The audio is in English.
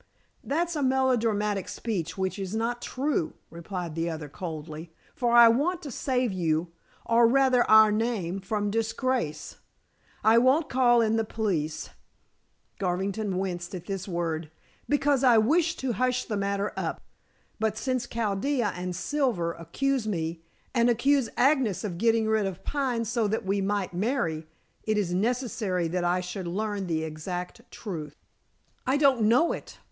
"That's a melodramatic speech which is not true," replied the other coldly. "For I want to save you, or, rather, our name, from disgrace. I won't call in the police" Garvington winced at this word "because I wish to hush the matter up. But since Chaldea and Silver accuse me and accuse Agnes of getting rid of Pine so that we might marry, it is necessary that I should learn the exact truth." "I don't know it.